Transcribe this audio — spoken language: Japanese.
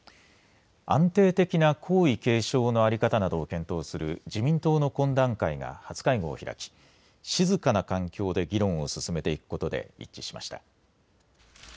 安定的な皇位継承の在り方などを検討する自民党の懇談会が初会合を開き静かな環境で議論を進めていくことで一致しました。